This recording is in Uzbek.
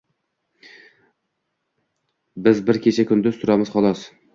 Biz bir kecha-kunduz turamiz xolos.